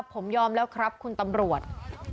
ผมยอมแล้วครับคุณตำรวจ